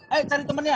ayo cari temennya